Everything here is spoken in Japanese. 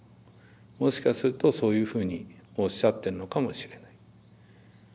もしかするとそういうふうにおっしゃってるのかもしれない。